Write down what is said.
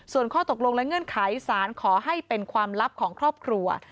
ส่วนข้อตกลงและเงื่อนไขสารขอให้เป็นความลับของครอบครัว